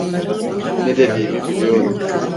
Ne dediğimi biliyorum.